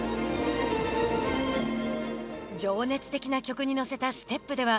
情熱的な曲に乗せたステップでは